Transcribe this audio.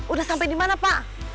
udah sampai di mana pak